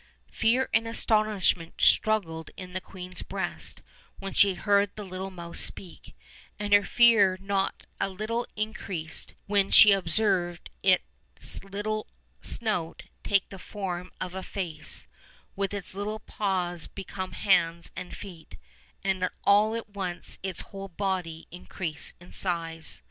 Fear and astonishment struggled in the queen's breast when she heard the little mouse speak; and her fear not a little increased when she observed its llctle snout take the form of a face, its little paws become hands and feet, and all at once its whole body increase in size.